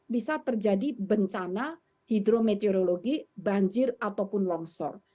bisa terjadi bencana hidrometeorologi banjir ataupun longsor